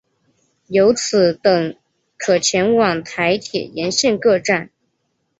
由此等可前往台铁沿线各站。